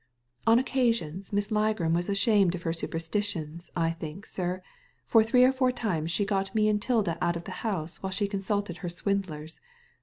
" On occasions Miss Ligram was ashamed of her superstitions, I think, sir, for three or four times she got me and 'Tilda out of the house while she con sulted her swindlers.